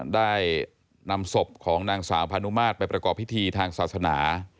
ได้นำศพของนางสาวพานุมาตรไปประกอบพิธีทางศาสนา